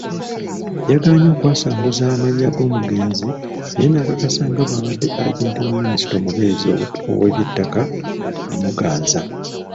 Yagaanye okwasanguza amannya g'omugenzi naye n'akakasa nga bw'abadde Agenti wa Minisita omubeezi ow'ebyettaka Namuganza.